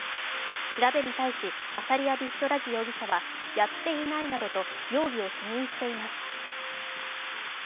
調べに対し、アサリヤ・ビッショ・ラジ容疑者はやっていないなどと容疑を否認しています。